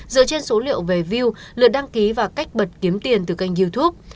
dựa trên số liệu về view lượt đăng ký và cách bật kiếm tiền từ kênh youtube